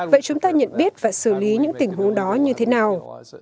vậy chúng ta nhận biết và xử lý những tình huống đó như thế nào